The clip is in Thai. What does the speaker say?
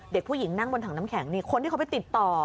เด็กผู้หญิงนั่งบนถังน้ำแข็งนี่คนที่เขาไปติดต่อ